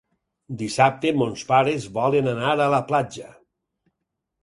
Dissabte mons pares volen anar a la platja.